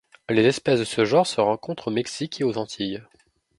Les espèces de ce genre se rencontrent au Mexique et aux Antilles.